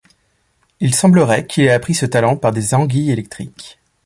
Il semblerait qu'il ait appris ce talent par des anguilles électriques.